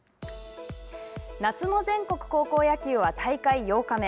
夏の全国高校野球は大会８日目。